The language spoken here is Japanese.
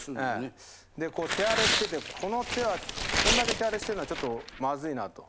で手荒れしててこの手はこんだけ手荒れしてるのはちょっとマズいなと。